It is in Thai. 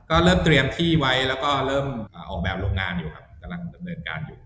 ก็เริ่มเตรียมที่ไว้แล้วก็เริ่มออกแบบโรงงานอยู่ครับกำลังดำเนินการอยู่